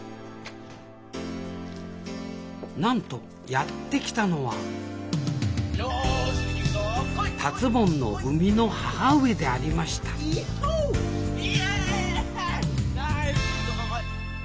なんとやって来たのは達ぼんの生みの母上でありましたイエイ！